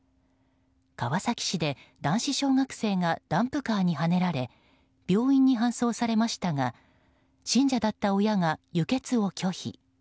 川崎市で、男子小学生がダンプカーにはねられ病院に搬送されましたが信者だった親が輸血を拒否。